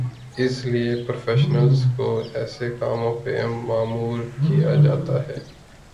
اسی لیے پروفیشنلز کو ایسے کاموں پہ مامور کیا جاتا ہے۔